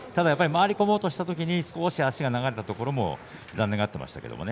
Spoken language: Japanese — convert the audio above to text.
回り込もうとしていただけに少し足が流れたところを少し残念がっていました。